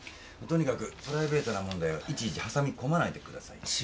とにかくプライベートな問題をいちいち挟み込まないでください。